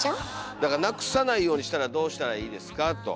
だからなくさないようにしたらどうしたらいいですかと。